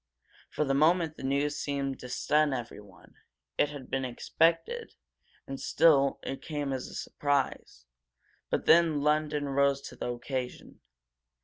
For the moment the news seemed to stun everyone. It had been expected, and still it came as a surprise. But then London rose to the occasion.